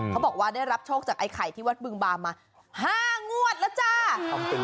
เขาบอกว่าได้รับโชคจากไอ้ไข่ที่วัดบึงบามา๕งวดแล้วจ้า